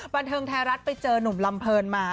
บันทึกท้ายรัฐไปเจอนุ่มลำเพิร์นมา